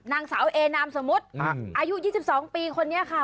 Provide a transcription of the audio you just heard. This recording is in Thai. นางสาวเอนามสมมุติอายุ๒๒ปีคนนี้ค่ะ